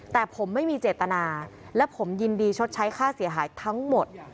แต่ผมไม่มีเจตนาและผมยินดีชดใช้ค่าเสียหายทั้งหมด